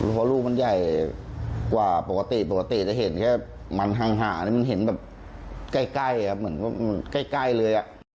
เพราะลูกมันใหญ่กว่าปกติปกติจะเห็นแค่มันห่างมันเห็นแบบใกล้เหมือนใกล้เลย